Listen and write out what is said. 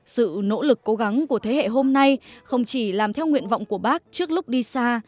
sự nỗ lực cố gắng của thế hệ hôm nay không chỉ làm theo nguyện vọng của bác trước lúc đi xa